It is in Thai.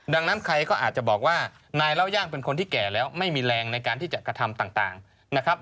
ดังนั้นใครก็อาจจะบอกว่านายเล่าย่างเป็นคนที่แก่แล้วไม่มีแรงในการที่จะกระทำต่างนะครับ